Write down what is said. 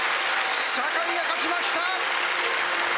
坂井が勝ちました。